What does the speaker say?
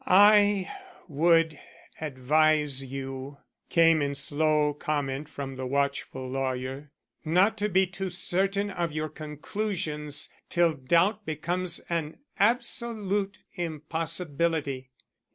"I would advise you," came in slow comment from the watchful lawyer, "not to be too certain of your conclusions till doubt becomes an absolute impossibility.